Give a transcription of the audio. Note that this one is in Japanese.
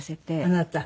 あなた？